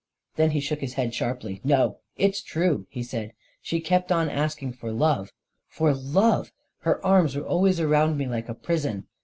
Then he shook his head sharply. "No — it's true I " he said. " She kept on asking for love — for love 1 Her arms were always around me like a prison